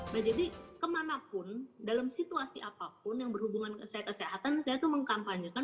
nah jadi kemanapun dalam situasi apapun yang berhubungan kesehatan saya tuh mengkampanyekan